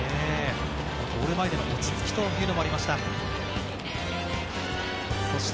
ゴール前での落ち着きがありました。